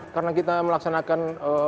karena kita melaksanakan